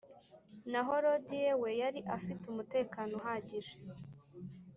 naho lodie we, yari afite umutekano uhagije